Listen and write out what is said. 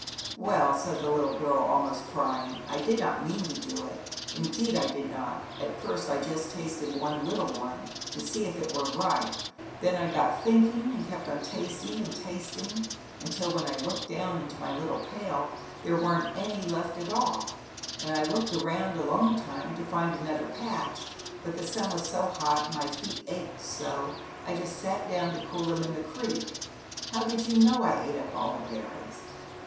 "Well," said the little girl, almost crying, "I did not mean to do it, indeed I did not. At first I just tasted one little one, to see if they were ripe, then I got thinking and kept on tasting and tast ing until, when I looked down into my little pail, there weren't any left, at all, and I looked around a long time to find another patch, but the sun was so ot and my feet ached so, I just sat own to cool them in the creek." "How did you know I ate up all the ZAUBERLINDA, THE WISE WITCH. 99 berries?"